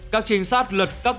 các trinh sát lật cấp nhu cầu